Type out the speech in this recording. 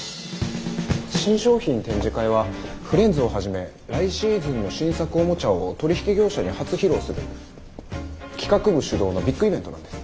新商品展示会はフレンズをはじめ来シーズンの新作おもちゃを取引業者に初披露する企画部主導のビッグイベントなんです。